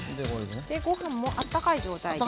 ご飯もあったかい状態で。